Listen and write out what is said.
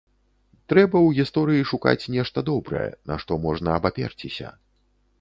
Трэба ў гісторыі шукаць нешта добрае, на што можна абаперціся.